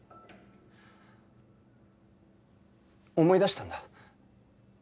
思い出したんだ。